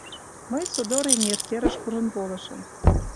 Мый содор эҥер серыш куржын волышым.